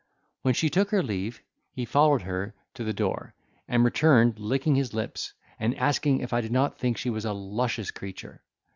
When she took her leave, he followed her to the door, and returned licking his lips, and asking if I did not think she was a luscious creature.